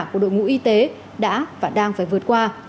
của đội ngũ y tế đã và đang phải vượt qua